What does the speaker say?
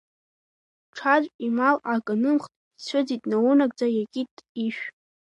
Ҽаӡә имал ак нымхт, ицәыӡит, наунагӡа иакит ишә…